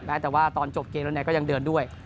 แม้แต่ว่าตอนจบเกณฑ์แล้วเนี่ยก็ยังเดินด้วย